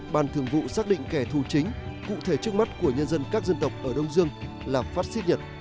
ban thường vụ xác định kẻ thù chính cụ thể trước mắt của nhân dân các dân tộc ở đông dương là phát xít nhật